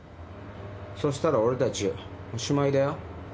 そしたらおれたちおしまいだよ。